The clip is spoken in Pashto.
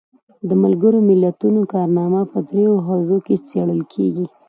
د ملګرو ملتونو کارنامه په دریو حوزو کې څیړل کیږي.